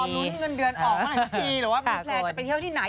รอนุ้นเงินเดือนออกเมื่อกี้หรือว่ามีแทนจะไปเที่ยวที่ไหน